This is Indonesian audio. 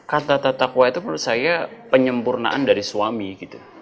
kata kata takwa itu menurut saya penyempurnaan dari suami gitu